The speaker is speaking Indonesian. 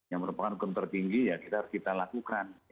yang merupakan hukum tertinggi ya kita harus kita lakukan